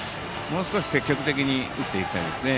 積極的に打っていきたいですね。